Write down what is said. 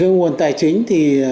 nguồn tài chính thì